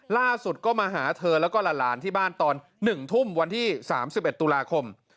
ล่าสุดก็มาหาเธอแล้วก็หลานที่บ้านตอน๑ทุ่มวันที่๓๑ตุลาคม